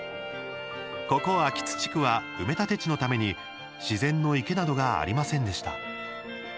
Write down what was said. ここ秋津地区は埋め立て地のために自然の池などがありませんでした。